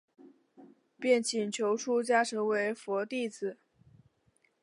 便请求出家成为佛弟子。